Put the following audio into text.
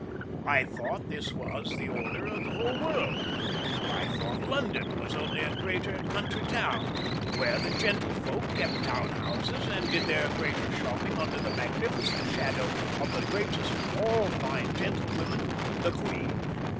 I thought this was the order of the whole world. I thought London was only a greater country town where the gentle folk kept town houses and did their greater shopping under the magnificent shadow of the greatest of all fine gentlewomen, the Queen.